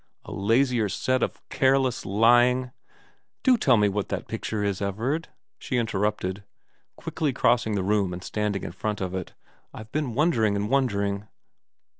A lazier set of careless, lying '' Do tell me what that picture is, Everard,' she interrupted, quickly crossing the room and standing in front of it. ' I've been wondering and wondering.'